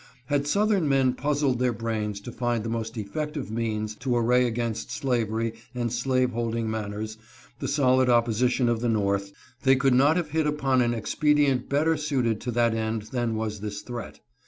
Had southern men puzzled their brains to find the most effective means to array against slavery and slaveholding manners the solid opposition of the North, they could not have hit upon any expedient better suited to that end than was this threat.